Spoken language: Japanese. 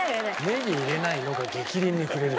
「ネギ入れないの？」が逆鱗に触れる。